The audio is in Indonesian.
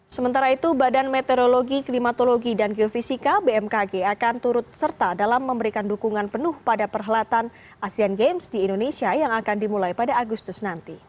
sementara itu badan meteorologi klimatologi dan geofisika bmkg akan turut serta dalam memberikan dukungan penuh pada perhelatan asean games di indonesia yang akan dimulai pada agustus nanti